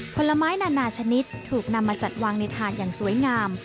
ผลไม้นานาชนิดถูกนำมาจัดวางในถ่านอย่างสวยงาม